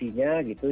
yang ada anti ghost